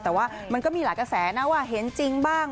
แต่ว่ามันก็มีหลายกระแสนะว่าเห็นจริงบ้าง